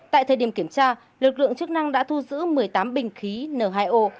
tại thời điểm kiểm tra lực lượng chức năng đã thu giữ một mươi tám bình khí n hai o